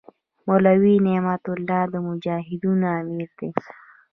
مولوي نعمت الله د مجاهدینو امیر دی.